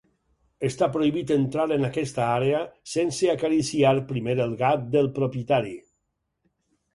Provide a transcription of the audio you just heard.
Està prohibit entrar en aquesta àrea sense acariciar primer el gat del propietari.